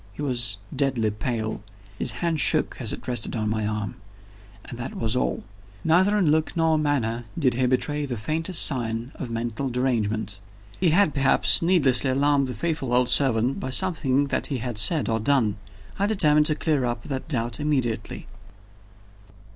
He was deadly pale; his hand shook as it rested on my arm and that was all. Neither in look nor manner did he betray the faintest sign of mental derangement. He had perhaps needlessly alarmed the faithful old servant by something that he had said or done. I determined to clear up that doubt immediately.